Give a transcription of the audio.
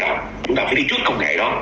chúng ta phải đi trước công nghệ đó